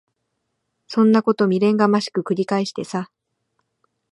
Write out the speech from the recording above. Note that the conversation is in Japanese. そんなこと未練がましく繰り返してさ。